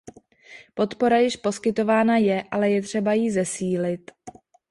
Podpora již poskytována je, ale je třeba ji zesílit.